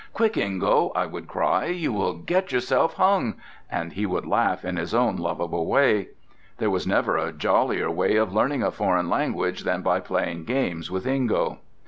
"Quick, Ingo!" I would cry. "You will get yourself hung!" and he would laugh in his own lovable way. There was never a jollier way of learning a foreign language than by playing games with Ingo.